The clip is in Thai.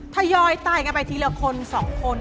ทยอยตายกันไปทีละคน๒คน